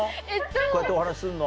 こうやってお話しするの。